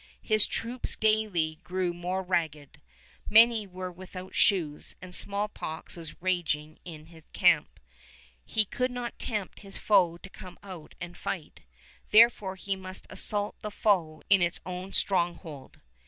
His troops daily grew more ragged; many were without shoes, and smallpox was raging in camp. He could not tempt his foe to come out and fight; therefore he must assault the foe in its own stronghold.